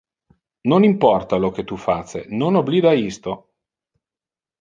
Non importa lo que tu face, non oblida isto.